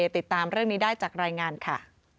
ติดตามเรื่องนี้ได้จากรายงานค่ะ